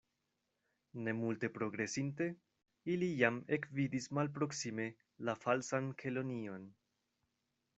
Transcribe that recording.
Ne multe progresinte, ili jam ekvidis malproksime la Falsan Kelonion.